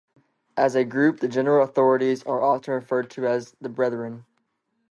As a group, the general authorities are often referred to as "the Brethren".